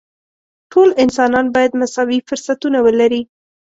ټول انسانان باید مساوي فرصتونه ولري.